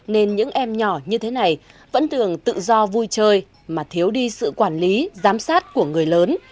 nên những em nhỏ như thế này vẫn thường tự do vui chơi mà thiếu đi sự quản lý giám sát của người lớn